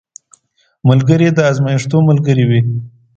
ملګری د ازمېښتو ملګری وي